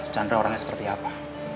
chandra orangnya seperti apa